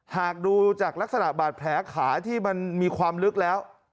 หากดูจากลักษณะบาดแผลขาที่มันมีความลึกแล้ว